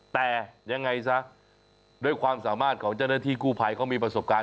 แต่ยังไงซะด้วยความสามารถของเจ้าหน้าที่กู้ภัยเขามีประสบการณ์